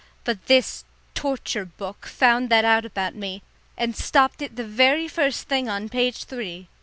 But this torture book found that out about me, and stopped it the very first thing on page three.